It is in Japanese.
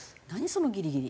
そのギリギリ。